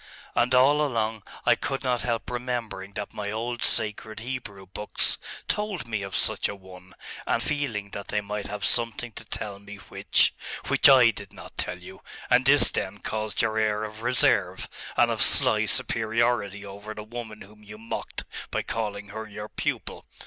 And all along, I could not help remembering that my old sacred Hebrew books told me of such a one; and feeling that they might have something to tell me which ' 'Which I did not tell you! And this, then, caused your air of reserve, and of sly superiority over the woman whom you mocked by calling her your pupil!